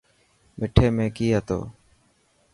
مٺي ۾ ڪئي هتو؟